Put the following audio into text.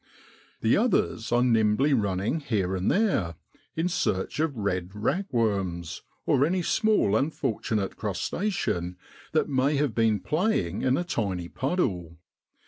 The others are nimbly running here and there in search of red ragworms, or any small unfortunate crustacean that may have been playing in a tiny puddle.